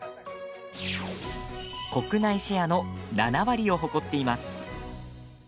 国内シェアの７割を誇っています。